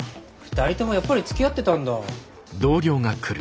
二人ともやっぱりつきあってたんだ。